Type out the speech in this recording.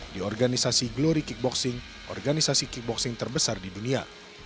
di organisasi glory kickboxing organisasi kickboxing terbesar di dunia